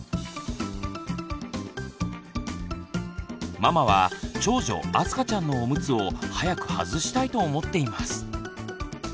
ママは長女あすかちゃんのオムツを早くはずしたいと思っています。